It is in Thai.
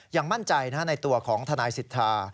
ยังมั่นใจในตัวของทนายสิทธา